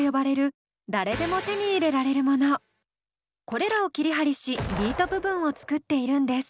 これらを切り貼りしビート部分を作っているんです。